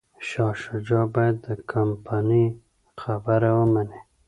شاه شجاع باید د کمپانۍ خبره ومني.